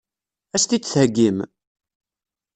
Ad as-t-id-theggim?